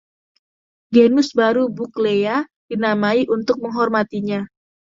Genus baru "Buckleya" dinamai untuk menghormatinya.